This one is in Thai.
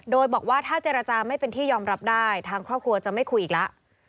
โดยบอกว่าถ้าเจรจาไม่เป็นที่ยอมรับได้ทางครอบครัวจะไม่คุยอีกแล้ว